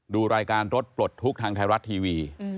ดูรายการรถปลดทุกข์ทางไทยรัฐทีวี